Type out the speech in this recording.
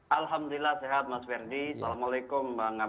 alhamdulillah sehat mas verdi assalamualaikum bang ngabalin